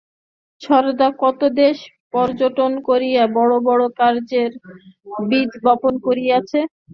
সারদা কত দেশ পর্যটন করিয়া বড় বড় কার্যের বীজ বপন করিয়াছে।